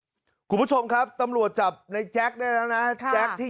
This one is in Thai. ครับท่านผู้ชมครับตัมหลวกจับในแจ็คได้แล้วนะค่ะแล้วแจ็คที่